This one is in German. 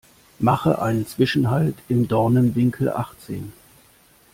Mache einen Zwischenhalt im Dornenwinkel achtzehn.